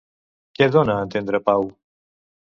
Què dona a entendre Pau?